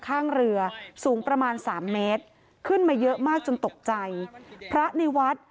ข้างเรือสูงประมาณสามเมตรขึ้นมาเยอะมากจนตกใจพระในวัด